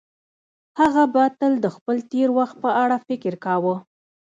هغه به تل د خپل تېر وخت په اړه فکر کاوه.